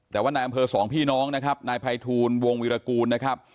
แต่ว่านายอำเภอสองพี่น้องนะครับนายภัยทูลวงวิรากูลนะครับ